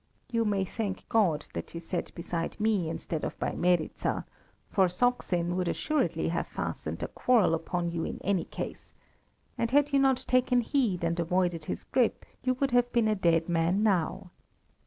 You may thank God that you sat beside me instead of by Meryza, for Saksin would assuredly have fastened a quarrel upon you in any case; and had you not taken heed and avoided his grip, you would have been a dead man now.